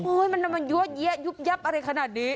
โอ๊ยมันยั่วเยี้ยะยุบอะไรขนาดนี้